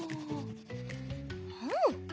うん！